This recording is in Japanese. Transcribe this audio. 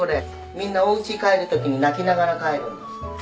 みんなお家帰る時に泣きながら帰るんだもん。